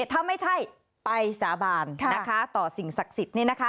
ถ้าไม่ใช่ไปสาบานต่อสิ่งศักดิ์สิทธิ์